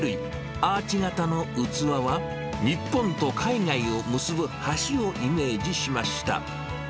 アーチ形の器は、日本と海外を結ぶ橋をイメージしました。